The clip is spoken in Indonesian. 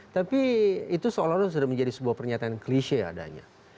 tapi itu seolah olah sudah menjadi sebuah pernyataan klise adanya